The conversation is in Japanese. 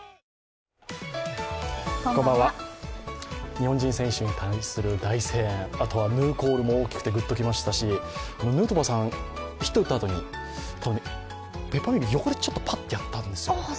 日本人選手に対する大声援、あとはヌーコールも大きくてグッと来ましたし、ヌートバーさん、ヒット打ったあとにペッパーミル、横にやったんですよ